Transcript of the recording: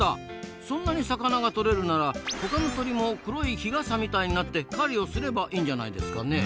そんなに魚がとれるならほかの鳥も黒い日傘みたいになって狩りをすればいいんじゃないですかねえ？